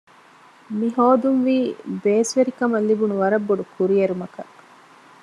މިހޯދުން ވީ ބޭސްވެރިކަމަށް ލިބުނު ވަރަށް ބޮޑުކުރިއެރުމަކަށް